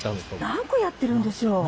何個やってるんでしょう？